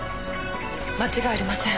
間違いありません。